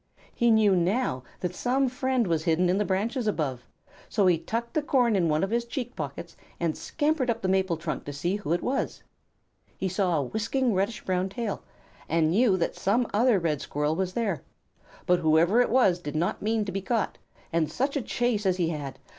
He knew now that some friend was hidden in the branches above, so he tucked the corn in one of his cheek pockets, and scampered up the maple trunk to find out who it was. He saw a whisking reddish brown tail, and knew that some other Red Squirrel was there. But whoever it was did not mean to be caught, and such a chase as he had!